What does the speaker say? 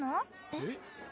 えっ？